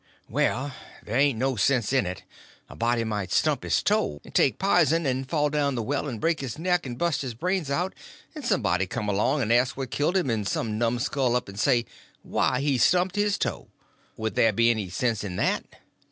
"Well, ther' ain't no sense in it. A body might stump his toe, and take pison, and fall down the well, and break his neck, and bust his brains out, and somebody come along and ask what killed him, and some numskull up and say, 'Why, he stumped his toe.' Would ther' be any sense in that?